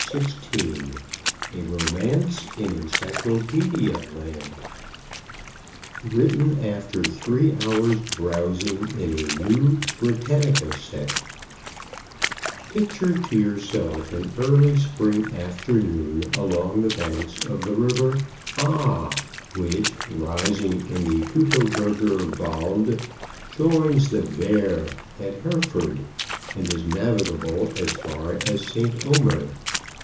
XVI A ROMANCE IN ENCYCLOPÆDIA LAND Written After Three Hours' Browsing in a New Britannica Set Picture to yourself an early spring afternoon along the banks of the river Aa, which, rising in the Teutoburger Wald, joins the Werre at Herford and is navigable as far as St. Omer.